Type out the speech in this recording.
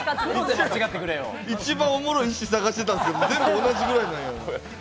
一番おもろいの探してたんですけど、全部同じぐらいの。